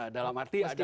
dalam arti ada